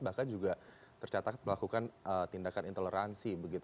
bahkan juga tercatat melakukan tindakan intoleransi